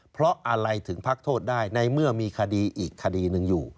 เพราะอะไรถึงพักโทษได้ในเมื่อมีคดีอีกคดีหนึ่งอยู่